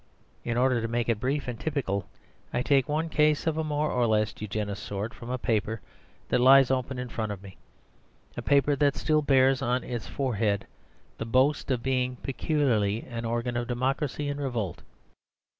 In order to make it brief and typical, I take one case of a more or less Eugenist sort from a paper that lies open in front of me a paper that still bears on its forehead the boast of being peculiarly an organ of democracy in revolt.